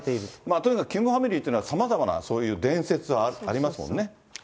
とにかくキムファミリーというのは、さまざまなそういう伝説がありますもんね。